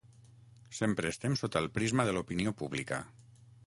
Sempre estem sota el prisma de l’opinió pública.